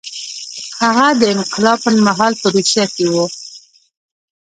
هغه د انقلاب پر مهال په روسیه کې و